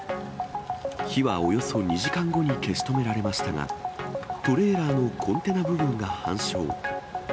火はおよそ２時間後に消し止められましたが、トレーラーのコンテナ部分が半焼。